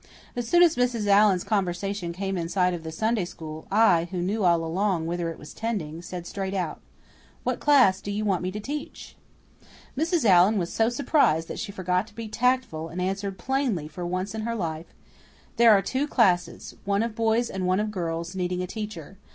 As soon as Mrs. Allan's conversation came in sight of the Sunday School, I, who knew all along whither it was tending, said, straight out, "What class do you want me to teach?" Mrs. Allan was so surprised that she forgot to be tactful, and answered plainly for once in her life, "There are two classes one of boys and one of girls needing a teacher.